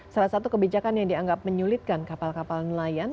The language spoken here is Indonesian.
salah satu kebijakan yang dianggap menyulitkan kapal kapal nelayan